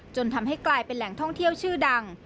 จนทำให้กลายเป็นแหล่งท่องเที่ยวชื่อดัง